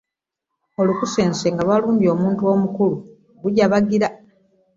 Olukusense nga lwalumbye omuntu omukulu gujabagira.